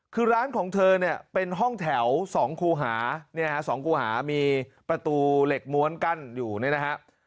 คือร้านของเธอเป็นห้องแถว๒ครูหามีประตูเหล็กม้วนกั้นอยู่นะครับ